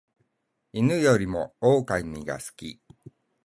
犬よりも狼が好き